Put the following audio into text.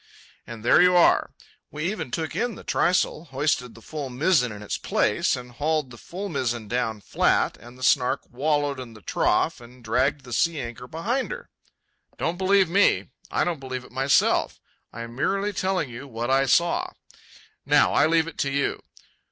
And there you are. We even took in the trysail, hoisted the full mizzen in its place, and hauled the full mizzen down flat, and the Snark wallowed in the trough and dragged the sea anchor behind her. Don't believe me. I don't believe it myself. I am merely telling you what I saw. Now I leave it to you.